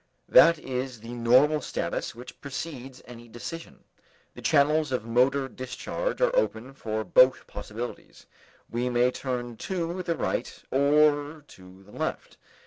That is the normal status which precedes any decision. The channels of motor discharge are open for both possibilities; we may turn to the right or to the left.